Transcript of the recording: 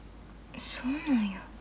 そうなんや。